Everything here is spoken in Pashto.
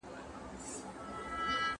هغوی د باغ ټول ګلان اوبه کړل.